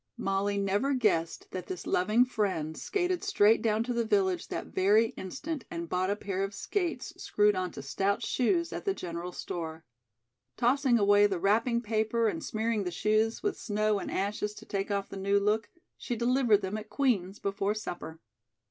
Molly never guessed that this loving friend skated straight down to the village that very instant and bought a pair of skates screwed onto stout shoes at the general store. Tossing away the wrapping paper and smearing the shoes with snow and ashes to take off the new look, she delivered them at Queen's before supper.